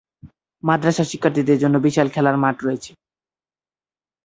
মাদ্রাসার শিক্ষার্থীদের জন্য বিশাল খেলার মাঠ রয়েছে।